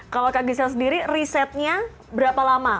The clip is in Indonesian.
kalau kak gisela sendiri risetnya berapa lama